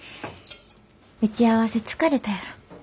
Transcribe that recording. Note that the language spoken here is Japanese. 打ち合わせ疲れたやろ。